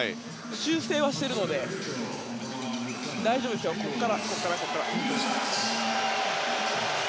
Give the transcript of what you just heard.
修正はしているので大丈夫ですよ、ここから。